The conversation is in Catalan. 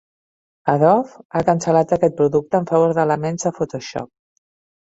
Adobe ha cancel·lat aquest producte en favor d'elements de Photoshop.